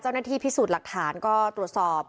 เจ้าหน้าที่พิสูจน์หลักฐานก็ตรวจสอบ